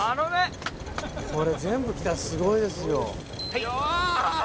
これ全部来たらすごいですよ。